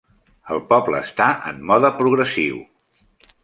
El poble està en mode progressiu.